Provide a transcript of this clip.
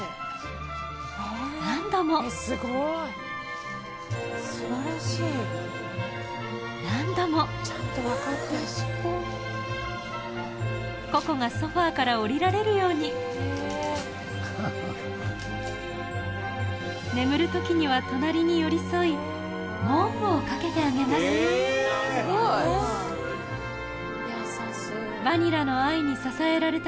何度も何度もここがソファから下りられるように眠る時には隣に寄り添い毛布をかけてあげますバニラの愛に支えられた